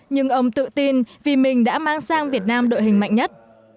nhưng ông tự tin vì mình đã mang sang việt nam đội hình mạnh nhất